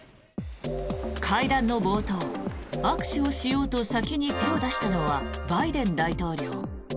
会談の冒頭、握手をしようと先に手を出したのはバイデン大統領。